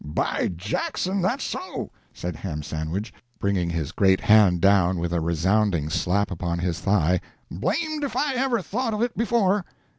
"By Jackson, that's so!" said Ham Sandwich, bringing his great hand down with a resounding slap upon his thigh; "blamed if I ever thought of it before."